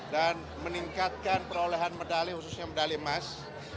dan meningkatkan perolehan medali khususnya medali emas